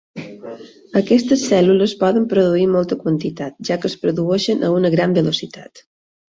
Aquestes cèl·lules poden produir molta quantitat, ja que es produeixen a una gran velocitat.